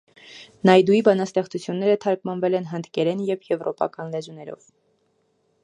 Նայդուի բանաստեղծությունները թարգմանվել են հնդկերեն և եվրոպական լեզուներով։